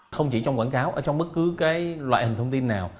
không chỉ trong quảng cáo trong bất cứ loại hình thông tin nào